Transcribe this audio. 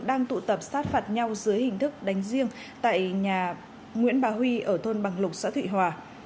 đang tụ tập sát phạt nhau dưới hình thức đánh riêng tại nhà nguyễn bà huy ở thôn bằng lục xã thụy hòa